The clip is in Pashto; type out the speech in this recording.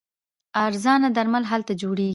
ارزانه درمل هلته جوړیږي.